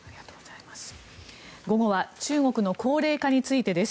午後は中国の高齢化についてです。